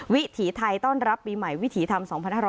วิถีไทยต้อนรับปีใหม่วิถีธรรม๒๕๖๐